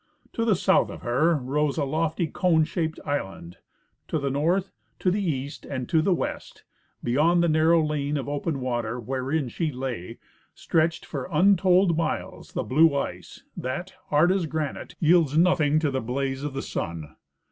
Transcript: To the south of her rose a lofty cone shaped island ; to the north, to the east, to the west, beyond the narrow lane of open water wherein she lay, stretched for untold miles the blue ice, that, hard as granite, yields nothing to the blaze of the sun (198) Stockton^ s Arctic Voyage.